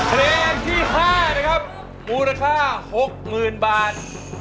เพลงที่๕นะครับมูลค่า๖๐๐๐บาท